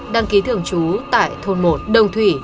đăng ký thưởng chú tại thôn một đồng thủy